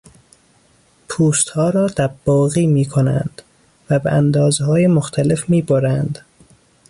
پوستها را دباغی میکنند و به اندازههای مختلف میبرند.